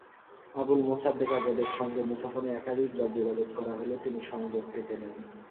আবুল মোসাদ্দেক আজাদের সঙ্গে মুঠোফোনে একাধিকবার যোগাযোগ করা হলে তিনি সংযোগ কেটে দেন।